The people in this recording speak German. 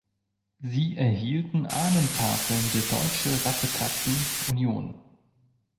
Sie erhielten Ahnentafeln der Deutsche Rassekatzen-Union.